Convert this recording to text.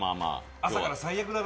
朝から最悪だな。